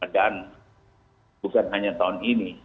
dan bukan hanya tahun ini